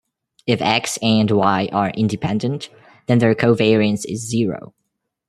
If "X" and "Y" are independent, then their covariance is zero.